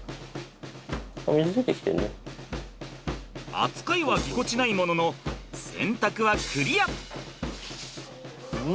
扱いはぎこちないものの洗濯はクリア。